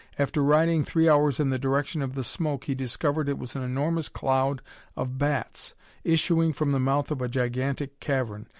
After riding three hours in the direction of the smoke he discovered that it was an enormous cloud of bats issuing from the mouth of a gigantic cavern.